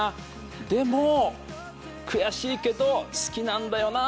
でも悔しいけど好きなんだよな。